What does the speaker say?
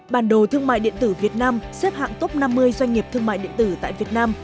bản đồ thương mại điện tử việt nam xếp hạng top năm mươi doanh nghiệp thương mại điện tử tại việt nam